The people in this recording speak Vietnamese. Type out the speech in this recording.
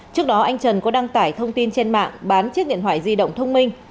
trước đó anh trần có đăng tải thông tin trên mạng bán chiếc điện thoại di động thông minh